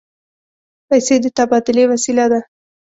پیسې د تبادلې وسیله ده.